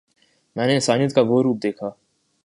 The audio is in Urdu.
میں نے انسانیت کا وہ روپ دیکھا